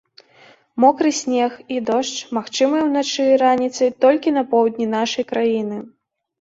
Мокры снег і дождж магчымыя ўначы і раніцай толькі на поўдні нашай краіны.